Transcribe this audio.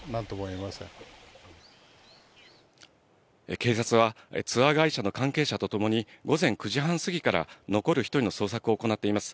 警察はツアー会社の関係者とともに午前９時半過ぎから、残る１人の捜索を行っています。